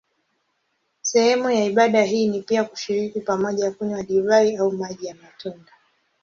Sehemu ya ibada hii ni pia kushiriki pamoja kunywa divai au maji ya matunda.